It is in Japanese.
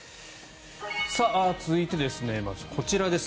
続いて、まずこちらです。